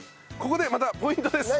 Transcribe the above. ここでまたポイントです！